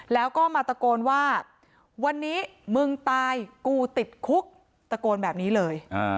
แล้วก็มาตะโกนว่าวันนี้มึงตายกูติดคุกตะโกนแบบนี้เลย